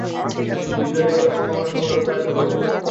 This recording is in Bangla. বিদ্রোহের যে কোনও সম্ভাবনা সমূলে উৎপাটিত করব!